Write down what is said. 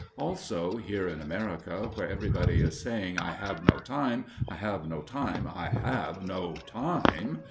Also, here in America, where everybody is saying, "I have no time, I have no time, I have no time!"